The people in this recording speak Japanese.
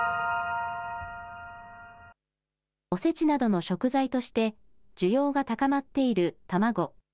おせちなどの食材として需要が高まっている卵。